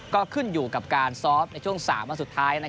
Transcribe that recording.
ก็ขึ้นอยู่กับการซ้อมในช่วง๓วันสุดท้าย